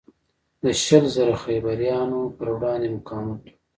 د شل زره خیبریانو پروړاندې مقاومت و.